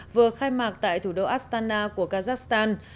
vừa khai mạc tại thủ đô astana của kazakhstan